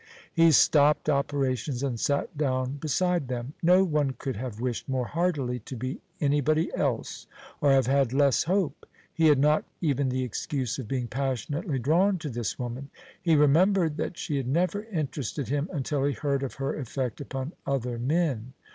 He stopped operations and sat down beside them. No one could have wished more heartily to be anybody else, or have had less hope. He had not even the excuse of being passionately drawn to this woman; he remembered that she had never interested him until he heard of her effect upon other men.